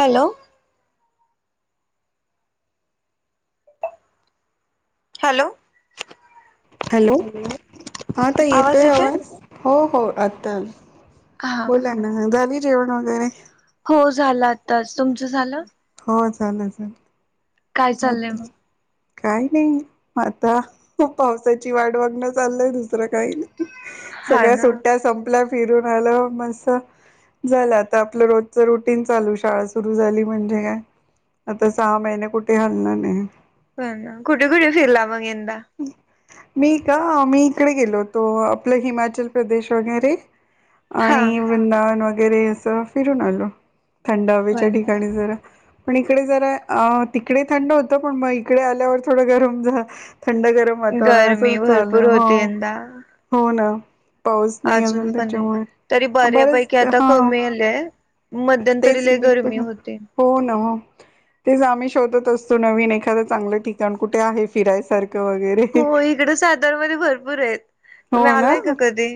Hello. Hello. Hello हा तर येतोय आवाज हो हो आता हा बोला ना झाली जेवण वगैरे हो झालं आताच तुमचं झालं. हो चालेल चालेल. काय चाललंय मग काही नाही आता पावसाची वाट बघणं चाललंय दुसरं काही नाही. हा सगळ्या ना सुट्ट्या संपल्या फिरून आलं मस्त झालं आता आपलं रोजच रुटीन चालू शाळा सुरू झाली म्हणजे काय? आता सहा महिने कुठे हलणार नाही. पण ना कुठे कुठे फिरला मग यंदा मी का मी इकडे गेलो होतो आपलं हिमाचल प्रदेश वगैरे हा आणि वृंदान वगैरे असं फिरून आलो. थंड हवेच्या होय ना. ठिकाणी जरा पण इकडे जरा अ तिकडे थंड होतं पण मग इकडे आल्यावर थोडं गरम झा थंड गरम वातावरण गरमी असं भरपूर चालं हो होती यंदा हो ना. पाऊस नाही अजून पण आहे त्याच्यामुळे. तरी बरंच बऱ्यापैकी आता हां, कमी आलेय. तेच नाही पण हो ना. तेच आम्ही शोधत असतो नवीन एखाद चांगलं ठिकाण कुठे आहे फिरायसारखं. वगैरे. हो इकड सातार मध्ये भरपूर आहेत. हो तुम्ही ना आलाय का कधी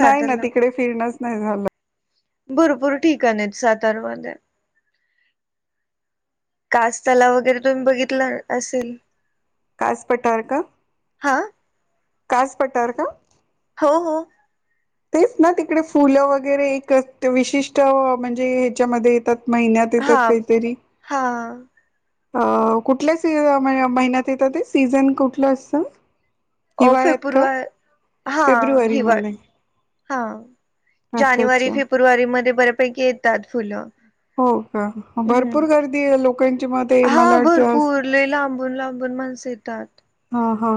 नाही ना तिकडे फिरणच नाही झालं. भरपूर ठिकाण सातार मध्ये कास्ताला वगैरे तुम्ही बघितलं असेल. कास पटाार का हा कास पटाार का? हो हो. तेच ना तिकडे फुलं वगैरे एक विशिष्ट म्हणजे ह्याच्यामध्ये येतात महिन्यात हा येतात काहीतरी हा अ कुठल्या सी महिन्यात येतं ते सीझन कुठलं असतं. अ हिवाळ्यात का फेपरवार हा हिवाळ फेब्रुवारीमध्ये हा अच्छा जानेवारी अच्छा फेब्रुवारी मध्ये बऱ्यापैकी येतात फुलं. हो का हम्म भरपूर गर्दी आहे लोकांची मत आहे मला वाटते अस. ण माणस येतात. ह हा.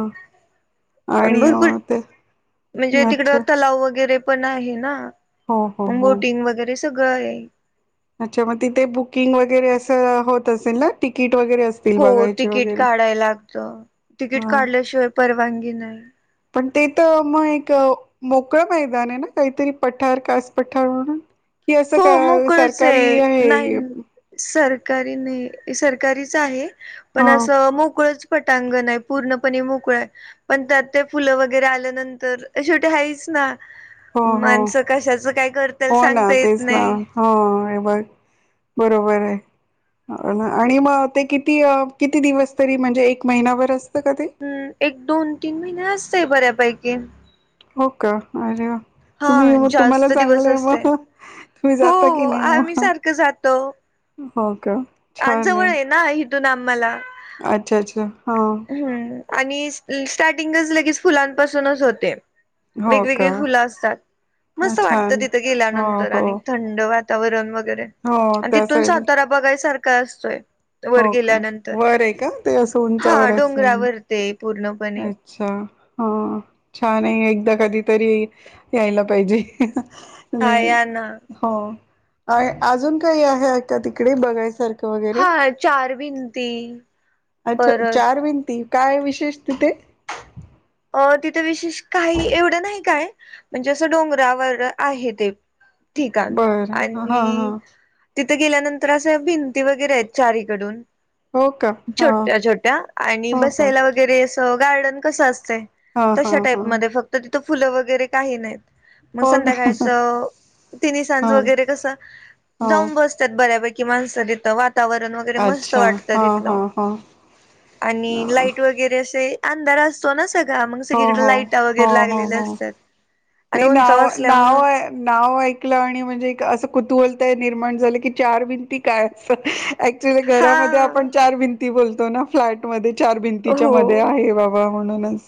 आण आणि भरपूर अ, ते म्हणजे तिकड अच्छा तलाव वगैरे पण आहे ना हो हो हो बोटिंग वगैरे सगळं आहे. अच्छा मग तिथे बुकिंग वगैरे असं होत असेल ना तिकीट. वगैरे असतील हो बघायचे तिकीट वगैरे काढाय लागतं तिकीट हा काढल्याशिवाय परवानगी नाही. पण ते तर मग एक मोकळ मैदान आहे ना काहीतरी पठार कास पठार म्हणून कि असं का हो मोकळच सरकारी आहे. कारीन नाही सरकारीच आहे ह पण असं मोकळंच पटांगण आहे पूर्णपणे मोकळा आहे पण त्यात ते फुलं वगैरे आल्यानंतर शेवटी हच ना हो हो माणसं कशाच काय करताल सांगताय. ह हो हे बघ बरोबर आहे. आणि मग ते किती किती दिवस तरी म्हणजे एक महिनाभर असत हम्म एक दोन तीन महिने असतय बऱ्यापैकी. हो का अरे वा तुम्ही हा मग तुम्हाला जास्त दिवस चांगलंय असते मग तुम्ही हो जाता की नाही आम्ही मग सारखं जातो. [unintelligible] हो का छान अजवळ आहे ना इथून आम्हाला अच्छा अच्छा हा. हम्म आणि स्टार्टिंगच लगेच फुलांपासूनच होते. हो का वेगवेगळी फुलं असतात मस्त वाटतं छान तिथं हो गेल्यानंतर आणि हो थंड वातावरण. वातावरण वगैरे हो आणि त्या तिथून साईड सातारा बघायसारखा असतोय. वर हो का गेल्यानंतर वर आहे का ते असं उंच? हा डोंगरावर ते पूर्णपणे अच्छा हा छान आहे एकदा कधीतरी यायला पाहिजे. हा या ना हो अजून काही आहे का तिकडे बघायसारखं. वगैरे हा चार भिंती अच्छा परत चार भिंती काय विशेष तिथे? अ तिथे विशेष काही एवढं नाही काय म्हणजे असं डोंगरावर आहे ते ठीकण बरं हा हा आणि त [unintelligible] तिथे गेल्यानंतर असं भिंती वगैरे आहेत चारीकडून. हो का हा छोट्या छोट्या आणि हो का बसायला वगैरे अस गार्डन कसं असत हा तशा हा हा टाईप मध्ये फक्त तिथं फुलं वगैरे काही नाही. मग हो का संध्याकाळचं तिन्ही सांज हा वगैरे कस हो जाऊन बसतात बऱ्यापैकी माणस तिथं [unintelligible] वातावरण वगैरे मस्त अच्छा वाटत हा हा तिथलं हा आणि लाईट वगैरे असे अंधार असतो ना सगळा मग हो सगळीकडे हो लाईट हो वगैरे हो लागलेल्या हो असतात. आणि नाही उंचाव नाव नाव असल्यामुळं नाव ऐकलं आणि म्हणजे असं कुतुहल निर्माण झाल की चार भिंती काय ऍक्च्युली हा घरामध्ये आपण चार भिंती बोलतो तो ना फ्लॅट मध्ये चार भिंतीच्या हो मध्ये आहे बाबा म्हणूनच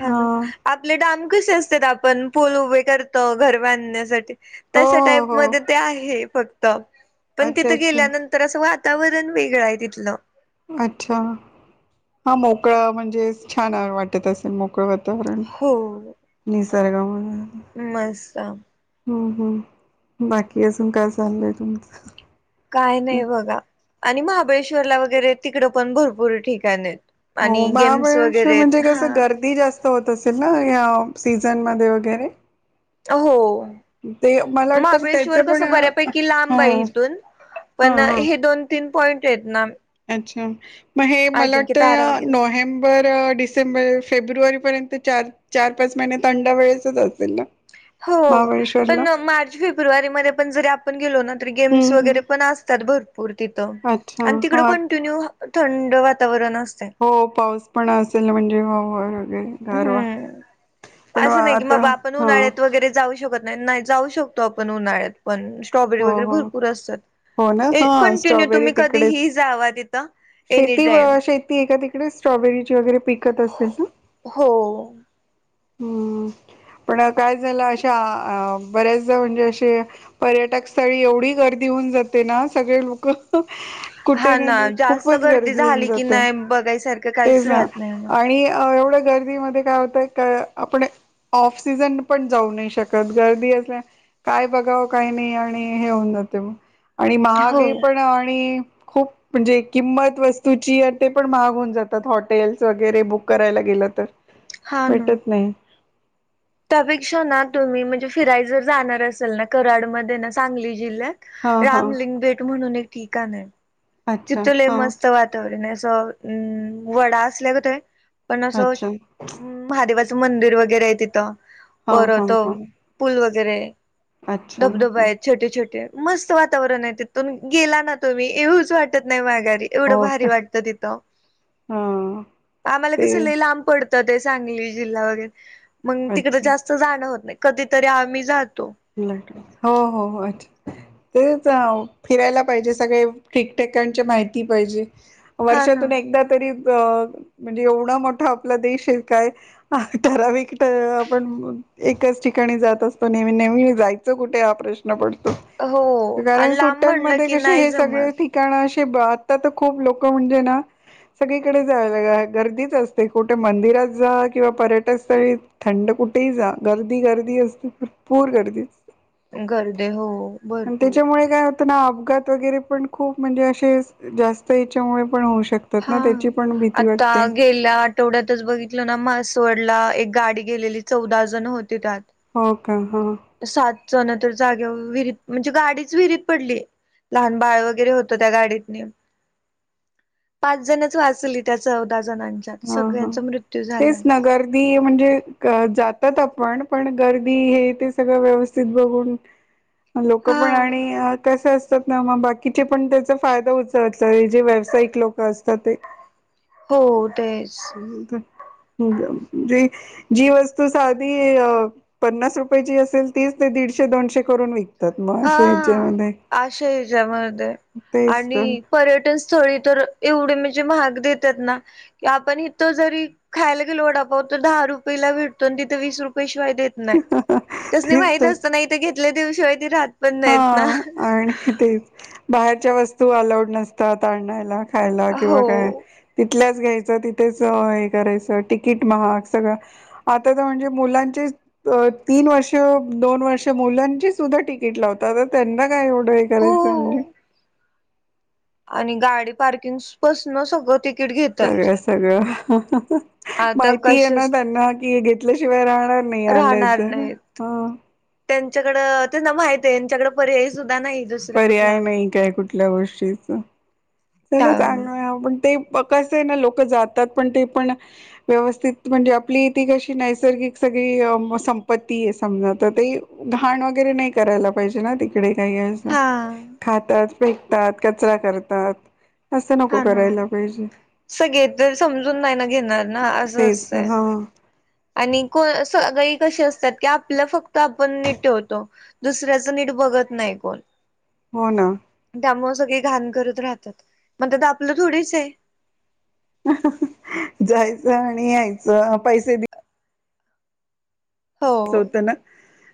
हा ना आपले डाम कसे असतात. आपण पूल उभे करतो घर बांधण्यासाठी हो तशा हो टाईप हो मध्ये ते आहे फक्त पण अच्छा तिथं अच्छा गेल्यानंतर असं वा [unintelligible] वातावरण वेगळं आहे तिथलं. अच्छा हा मोकळा म्हणजे छान वाटत असेल मोकळ वा [unintelligible] वातावरण हो निसर्गामुळे मस्त हम् हम् बाकी अजून काय चाललंय तुमचं? काय नाही बघा आणि महाबळेश्वरला वगैरे तिकड पण भरपूर ठिकाण आहेत. हो आणि गेम्स महाबळेश्वर वगैरे म्हणजे आहेत. कस हा गर्दी जास्त होत असेल ना या सीझन मध्ये वगैरे? हो ते मला वाटतं महाबळेश्वर त्याचे कस पण बऱ्यापैकी लांब आहे हा इिथून. हा पण हा हे दोन तीन पॉईंट आहेत ना- अच्छा मग हे मला अजिंक्य तारा वाटतं वगैरे नोव्हेंबर- डिसेंबर फेब्रुवारी पर्यंत चार चार पाच महिने थंडा वेळेच च असेल ना- हो पण महाबळेश्वरला मार्च फेब्रुवारी म पण जरी आपण गेलो ना- गेम्स हम्म वैगेरे हम् पण असतात भरपूर तिथ अच्छा तिकड हा कंटिन्यू- थंड वातावरण असत- हो पाऊस पण असेल म्हणजे हो- गारवा हम्म पण असं नाही की म आता बा आपण हा उन्हाळ्यात वगैरे जाऊ शकत- नाही नाही जाऊ शकतो आपण उन्हाळ्यात पण. स्ट्रॉबरी हो वगैरे हो भरपूर असतात हो ना हा कंटिन्यू स्ट्रॉबेरी तुम्ही तिकडेच कधीही जावा तिथं- एनी शेती टाइम. शेती आहे तिकडे स्ट्रॉबेरी ची वगैरे पिकत असेल ना? हो.... हम्म पण काय झालं अशा बऱ्याचदा म्हणजे अशे पर्यटक- पर्यटन स्थळी एवढी गर्दी होऊन जाते ना सगळे लोक- कुठे हा ना न जास्त खूपच गर्दी होऊन झाली की जाते नाही बघायसारखं काहीच तेच ना राहत नाही मग. आणि एवढं- गर्दीमध्ये काय होतय आपण ऑक्सिजन पण घेऊ नाही शकत गर्दी असल्या मुळे- काय बघावं काही नाही आणि हे होऊन जाते मग आणि महाग हो. हे पण आणि- खूप म्हणजे किंमत वस्तूची आहे ते पण महाग होऊन जातात हॉटेल्स वगैरे बुक करायला गेलं तर- हा ना. भेटत नाही- त्यापेक्षा ना तुम्ही म्हणजे फिरायला जर जाणार असाल ना कराड मध्ये ना सांगली हा जिल्ह्यात- हा रामलिंग भेट म्हणून एक ठिकाण आहे अच्छा. तिथ लई हां. मस्त वातावरण आहे. गड असल्या गत आहे पन अच्छा. महादेवाच- मंदिर वगैरे आहे तिथं हां, परत हां, हां. पूल वगैरे- अच्छा. हां, धबधबा हां. आहेत छोटे छोटे मस्त वातावरण आहे तिथून गेला ना तुम्ही येवू च वाटत नाही. नाही माघारी एवढं हो भारी का? वाटत तिथ, हां. आम्हाला ते कस लई लांब पडत- ते सांगली जिल्हा वगैरे मग तिकड अच्छा. जास्त जाणं होत नाही कधीतरी आम्ही जातो. हो हो अच्छा... तेच फिरायला पाहिजे सगळे ठिक ठिकाणची माहिती पाहिजे- हा ना वर्षातून एकदा तरी- अ म्हणजे एवढा मोठा आपला देश आहे काय ठराविक आपण- एकाच ठिकाणी जात असतो नेहमी- नेहमी जायचं कुठे हा प्रश्न पडतो. हो कारण आणि लांब सुट्ट्या म्हणलं मध्ये की कशे नाही हे सगळे जमत ठिकाण अशीच आशे- आता तर खूप लोक म्हणजे ना-.. सगळीकडे जायला गर्दीच असते कुठे मंदिरात जा किंवा पर्यटन स्थळी थंड ठिकाणी- कुठेही जा गर्दी गर्दी असते भरपूर गर्दीच- गर्दी हो आणि भरपूर त्याच्यामुळे काय होतं ना- अपघात वगैरे पण खूप म्हणजे असे जास्त याच्यामुळे पण होऊ शकते. हा आता गेल्या आठवड्यातच बघितलं ना म्हासवढ ला- एक गाडी गेलेली चौदा जण होती त्यात- हो का? हा सात जण तर जाग्यावर विहिरीत म्हणजे गाडीच विहिरीत पडली. लहान बाळ वगैरे होत त्या गाडी मध्ये पाच जणच वाचली त्याच्यातली- हा हा तेच ना गर्दी म्हणजे जातात आप- पण पण गर्दी हे ते सगळं व्यवस्थित बघून- लोक हा पण आणि कसं असतं- मग बाकीचे पण त्याचा फायदा उचलतात जे व्यावसायिक लोक असतात ते. हो तेच... मग जी वस्तू साधी पन्नास रुपयेची असेल तीच ते दीडशे- दीडशे दोनशे करून विकतात. मग हा अशा ह्याच्यामध्ये आशायेचा मध्ये तेच तर आणि पर्यटन स्थळी तर एवढे म्हणजे महाग देतात ना की आपण इथ जर खायला गेलो वडापाव तर दहा रुपये काही तिथ वीस रुपये शिवाय देत नाही त्यासनी तेच माहीत तर असतना घेतल्याशिवाय ते राहात नाही हा आहे तेच बाहेरच्या वस्तू अलाउड नसतात आणायला खायला किव्हा हो काय त तिथलच घ्यायचं तिथेच हे करायचं तिकीट महाग सगळं आता म्हणजे मुलांची तीन वर्ष दोन वर्ष मुलांची सुद्धा तिकट तिकिट काढायला लावतात. तर त्यांना काय एवढं हे हो करायचं यांनी म्हणजे आणि गाडी पार्किंग पासून सगळं तिथलं सगळं सगळं आता माहिती आहे. ना कसेच त्यांना कि घेतल्याशिवाय राहणार नाही. आलंय तर हा त्यांच्याकडे त्यांना माहिती आहे. यांच्याकडून पर्याय सुद्धा नाही दुसरा पर्याय कुठला. नाही. काय कुठल्या गोष्टीच चला हा चांगलं पण ते कस आहे. ना लोक जातात. पण ते पण व्यवस्थित म्हणजे आपले इथं कशी नैसर्गिक संपत्ती आहे. समजा तर ते घाण वगैरे नाही करायला पाहिजे ना तिकडे पर्यायच नाही. खातात फेकतात कचरा करतात. अस नको हा ना करायला पाहिजे. सगळे जन समजून नाही ना घेणार ना असं तेच असतय हा आणि कोण सगळे कशी असतात की आपला फक्त आपण नीट ठेवतो दुसऱ्याच नीट बघत नाही कोण हो ना. त्यामुळे सगळे घाण करत राहतात म्हणजे आपलं थोडीच आहे. जायचं आणि यायचं पैसे दिले. हो अस होत. ना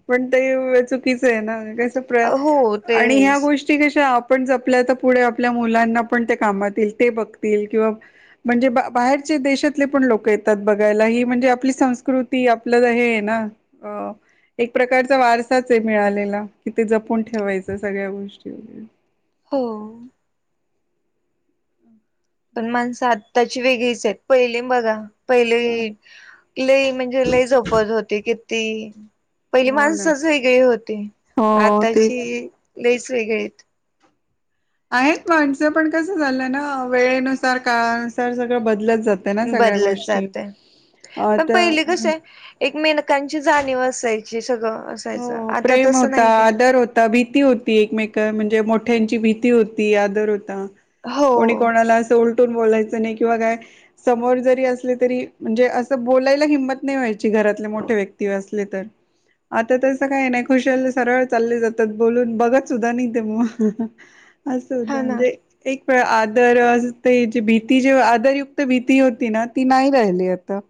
पण ते चुकीचं आहे. ना कस हो आणि ह्या तेच गोष्टी कशा आहे. आपण आपल्या पुढे आपल्या मुलांना पण कामात येईल ते बघतील किंवा म्हणजे बाहेर देशातले पण लोक येतात बघायला ही म्हणजे आपली संस्कृती आपलं हे ना अ एक प्रकारचा वारसाच आहे मिळालेला कि ते जपून ठेवायचं सगळ्या गोष्टी वगैरे हो. पण माणसं आत्ताची वेगळीच आहेत पहिली बघा पहिली लई म्हणजे लई जपत होती किती पहिली हो ना माणसच वेगळे होते. हो तेच आाताची लईच वेगळेत. आहेत माणसं पण कसं झालं ना वेळेनुसार काळानुसार सगळं बदलत जाते ना सगळ्या बदलत गोष्टी जातंय. पण पहिली कस आता आहे. एकमेकानची जाणीव असायची सगळं हो असायचं आता प्रेम तसं होता. नाही काय आदर होता भीती होती एकमेकची म्हणज मोठची भिती होती आदर होता हो कोणीकोणाला अस उलटून बोलायचं नाही कि काय समोर जरी असल तरी म्हणजे अस बोलायला हिमत नाही. घरातले मोठे व्यक्ती असले तर ह. [inaudible] आता तसं काय नाही खुशाल सरळ चालले जातात बोलून बघत सुद्धा नाही ते मुल असं होतं हा ना म्हणजे एक पण आदर ते भीती जे आदरयुक्त भीती होती ना ती नाही राहिली आता.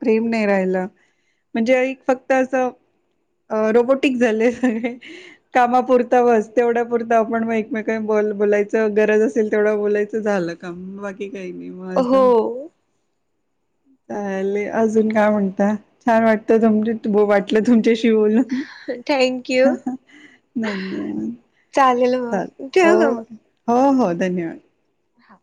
म्हणजे फक्त अस अ रोबोटिक झाले सगळे कामापुरता बस तेवढ्यापुरता आपण मग एकमेकान बरोबर बोलतो. बोलायच गरज असेल. तेवढं बोलायचं झालं काम बाकी काही नाही मजेत हो चालेल अजून काय म्हणता छान वाटले तुमच्याशी बोलून थँक्यू. धन्यवाद चालेल मग ठेवू ओके हो हो धन्यवाद. हा.